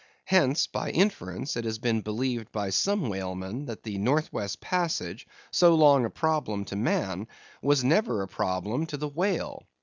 Hence, by inference, it has been believed by some whalemen, that the Nor' West Passage, so long a problem to man, was never a problem to the whale.